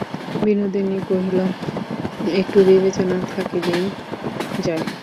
বিনোদিনী কহিল, একটু বিবেচনা থাকিলেই যায়।